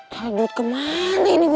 kalah duit ke mana ini gue